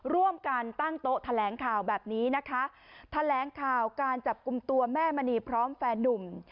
ร่วมกันตั้งโต๊ะแถลงข่าวแบบนี้นะคะแถลงข่าวการจับกลุ่มตัวแม่มณีพร้อมแฟนนุ่ม